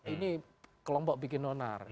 ini kelompok bikin nonar